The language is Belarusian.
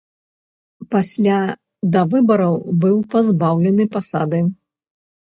Пасля давыбараў быў пазбаўлены пасады.